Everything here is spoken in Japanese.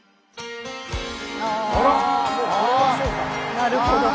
なるほど。